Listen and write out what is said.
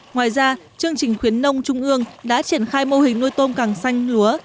ngoài ra chương trình khuyến nông trung ương đã triển khai mô hình nuôi tôm càng xanh lúa